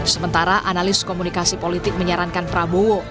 sementara analis komunikasi politik menyarankan prabowo